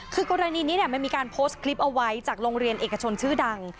คือกรณีนี้มันมีการโพสต์คลิปเอาไว้จากโรงเรียนเอกชนชื่อดัง